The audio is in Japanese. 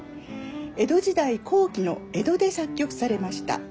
江戸時代後期の江戸で作曲されました。